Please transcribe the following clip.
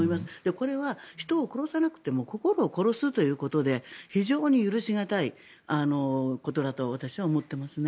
これは人を殺さなくても心を殺すということで非常に許し難いことだと私は思っていますね。